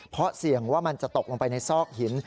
เพราะเสี่ยงว่ามันจะตกลงไปในซอกหิน